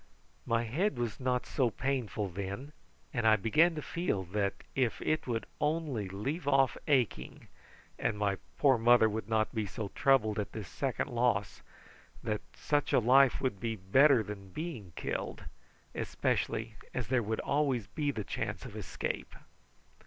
My head was not so painful then, and I began to feel that if it would only leave off aching and my poor mother would not be so troubled at this second loss, such a life would be better than being killed, especially as there would always be the chance of escape.